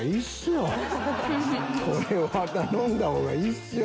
これは頼んだほうがいいっすよ